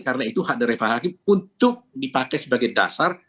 karena itu hadirnya dari hakim untuk dipakai sebagai dasar